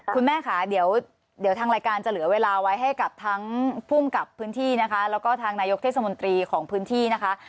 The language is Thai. คุณแม่ค่ะเดี๋ยวทางรายการจะเหลือเวลาไว้ให้กับทั้งภูมิกับพื้นที่นะคะแล้วก็ทางนายกเทศมนตรีของพื้นที่นะคะ